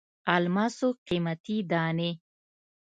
الماسو قیمتي دانې.